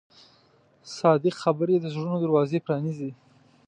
صادق خبرې د زړونو دروازې پرانیزي.